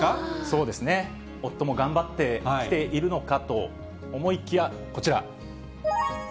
そうですね、夫も頑張ってきているのかと思いきや、こちら。